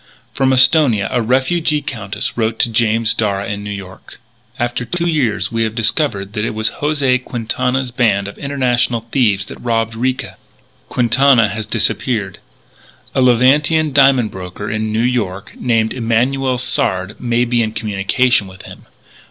From Esthonia a refugee Countess wrote to James Darragh in New York: " After two years we have discovered that it was José Quintana's band of international thieves that robbed Ricca. Quintana has disappeared. "A Levantine diamond broker in New York, named Emanuel Sard, may be in communication with him.